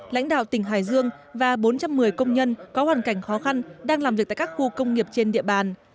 lãnh đạo tỉnh hải dương và bốn trăm một mươi công nhân có hoàn cảnh khó khăn đang làm việc tại các khu công nghiệp trên địa bàn